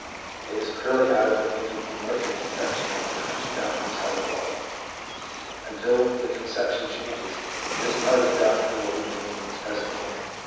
It is clearly out of such an anthropomorphic conception that the Christian doctrines have evolved. Until the conception changes, this part of the doctrine will remain in its present form.